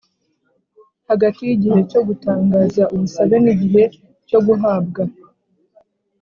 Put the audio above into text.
Hagati y igihe cyo gutangaza ubusabe n igihe cyo guhabwa